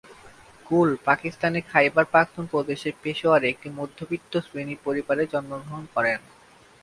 গুল পাকিস্তানের খাইবার-পাখতুন প্রদেশের পেশোয়ারে একটি মধ্যবিত্ত শ্রেণীর পরিবারে জন্মগ্রহণ করেন।